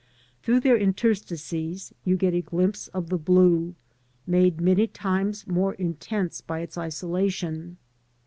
Through, their interstices you get a glimpse of the blue, made many times more intense by its isolation.